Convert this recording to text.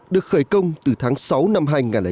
được khởi công từ tháng sáu năm hai nghìn chín